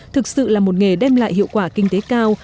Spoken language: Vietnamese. thực sự là một nghề đem lại hiệu quả kinh tế cao